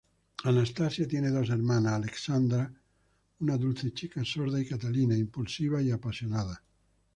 Anastasia tiene dos hermanas, Alexandra, una dulce chica sorda, y Catalina, impulsiva y apasionada.